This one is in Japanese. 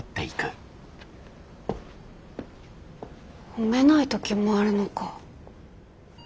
褒めない時もあるのか。